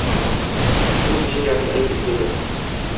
u kishi gapni ilib ketdilar.